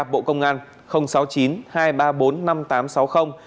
bộ công an sáu mươi chín hai trăm ba mươi bốn năm nghìn tám trăm sáu mươi